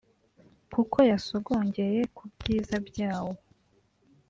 kuko yasogongeye ku byiza byawo